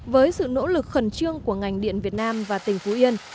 với sự nỗ lực khẩn trương của ngành điện việt nam và tỉnh phú yên